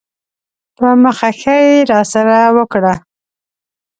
په مخه ښې یې راسره وکړه.